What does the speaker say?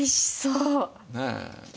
ねえ。